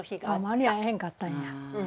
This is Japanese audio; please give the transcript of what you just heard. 間に合わへんかったんや。